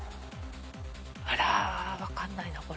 あらわからないなこれ。